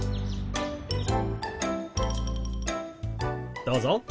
どうぞ。